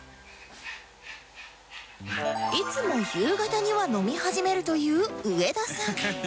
いつも夕方には飲み始めるという上田さん